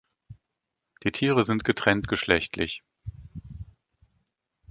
Die Tiere sind getrenntgeschlechtlich.